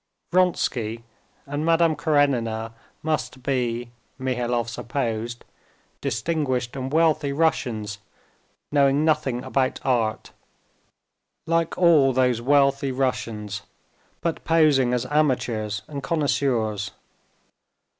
Vronsky and Madame Karenina must be, Mihailov supposed, distinguished and wealthy Russians, knowing nothing about art, like all those wealthy Russians, but posing as amateurs and connoisseurs.